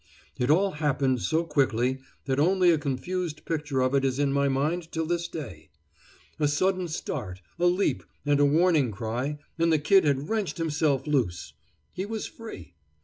It all happened so quickly that only a confused picture of it is in my mind till this day. A sudden start, a leap, and a warning cry, and the Kid had wrenched himself loose. He was free.